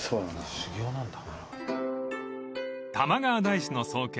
修行なんだ。